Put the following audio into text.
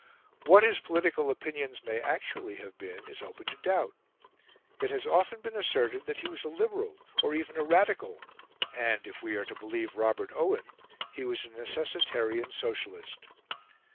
What his political opinions may actually have been is open to doubt; it has often been asserted that he was a Liberal, or even a Radical; and, if we are to believe Robert Owen, he was a necessitarian Socialist.